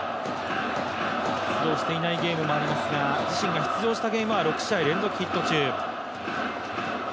出場していないゲームもありますが、自身が出場した試合は６試合連続ヒット中。